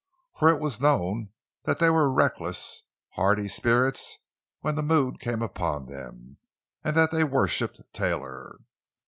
For it was known that they were reckless, hardy spirits when the mood came upon them, and that they worshiped Taylor.